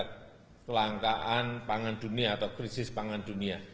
ada kelangkaan pangan dunia atau krisis pangan dunia